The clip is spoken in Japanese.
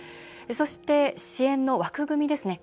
そして、支援の枠組みですね